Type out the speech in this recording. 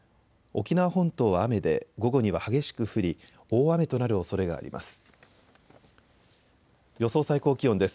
沖縄本島は雨で午後には激しく降り大雨となるおそれがあります。